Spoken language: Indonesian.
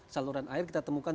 saluran air kita temukan